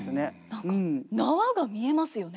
何か縄が見えますよね。